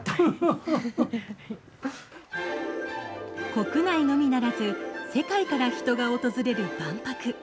国内のみならず世界から人が訪れる万博。